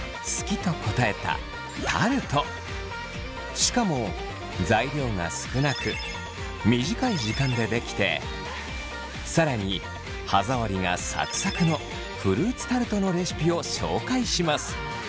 しかも材料が少なく短い時間でできて更に歯触りがさくさくのフルーツタルトのレシピを紹介します。